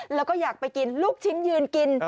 แล้วก็อยากไปกินลูกชิ้นยืนกิน